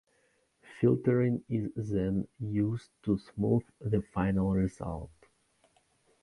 Filtering is then used to smooth the final result.